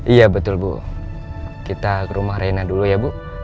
iya betul bu kita ke rumah reina dulu ya bu